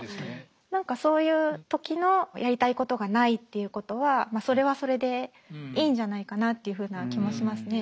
何かそういう時のやりたいことがないっていうことはそれはそれでいいんじゃないかなっていうふうな気もしますね。